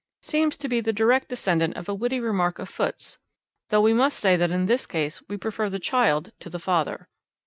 seems to be the direct descendant of a witty remark of Foote's, though we must say that in this case we prefer the child to the father.